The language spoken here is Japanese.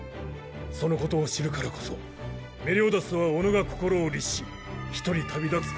そのことを知るからこそメリオダスは己が心を律し一人旅立つことを。